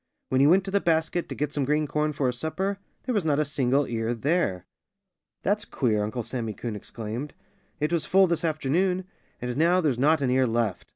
When he went to the basket, to get some green corn for his supper, there was not a single ear there. "That's queer!" Uncle Sammy Coon exclaimed. "It was full this afternoon. And now there's not an ear left.